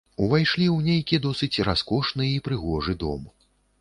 Увайшлі ў нейкі досыць раскошны і прыгожы дом.